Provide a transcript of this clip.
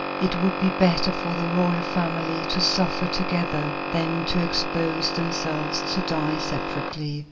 It would be better for the royal family to suffer together than to expose themselves to die separately.